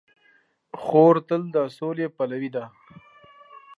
خور تل د سولې پلوي ده.